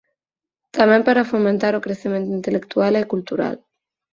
Tamén para «fomentar o crecemento intelectual e cultural».